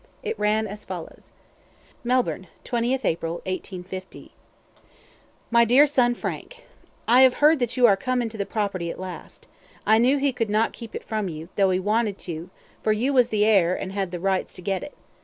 It ran as follows: "Melbourne, 20th April, 185 . "My Dear Son Frank, "I have heard that you are come into the property at last. I knew he could not keep it from you, though he wanted to, for you was the hair, and had the rights to get it.